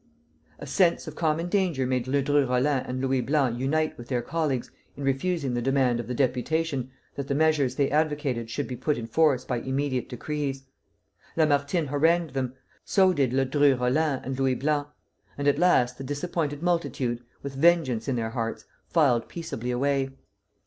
A sense of common danger made Ledru Rollin and Louis Blanc unite with their colleagues in refusing the demand of the deputation that the measures they advocated should be put in force by immediate decrees. Lamartine harangued them; so did Ledru Rollin and Louis Blanc; and at last the disappointed multitude, with vengeance in their hearts, filed peaceably away.